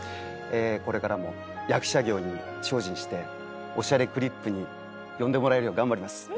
これからも役者業に精進して『おしゃれクリップ』に呼んでもらえるように頑張ります。